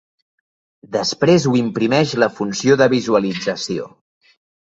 Després ho imprimeix la funció de visualització.